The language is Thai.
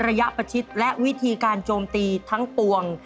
ระยะประชิดและวิธีการโจมตีทั้งปวง